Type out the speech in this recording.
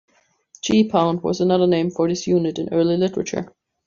"Geepound" was another name for this unit in early literature.